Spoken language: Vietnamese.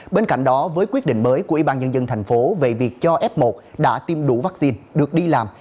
bên cạnh đó với quyết định mới của ybnd tp hcm về việc cho f một đã tiêm đủ vaccine được đi làm